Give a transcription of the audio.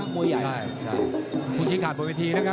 มวยใหญ่